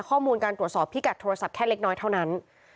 ข้อมูลการตรวจสอบพิกัดโทรศัพท์แค่เล็กน้อยเท่านั้น